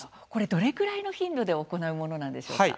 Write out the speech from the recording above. どれくらいの頻度で行うものなんでしょうか。